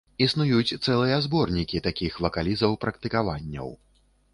Існуюць цэлыя зборнікі такіх вакалізаў-практыкаванняў.